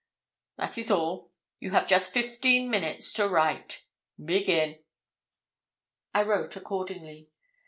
That is all. You have just fifteen minutes to write. Begin.' I wrote accordingly.